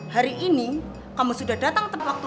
hari ini kamu sudah datang tepat waktu